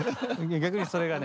逆にそれがね。